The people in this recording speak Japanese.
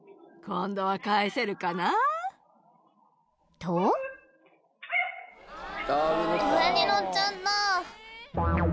［と］上にのっちゃった。